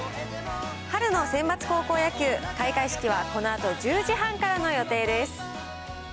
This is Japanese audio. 春のセンバツ高校野球、開会式はこのあと１０時半からの予定です。